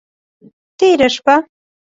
تیره شپه…